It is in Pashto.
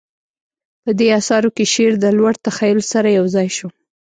په دې اثارو کې شعر د لوړ تخیل سره یوځای شو